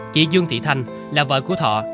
chị dương thị thanh là vợ của thọ